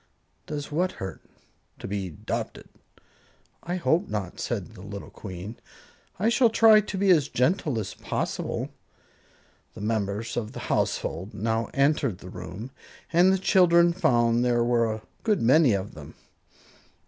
"Does what hurt?" "To be 'dopted." "I hope not," said the little Queen; "I shall try to be as gentle as possible." The members of the household now entered the room and the children found there were a good many of them.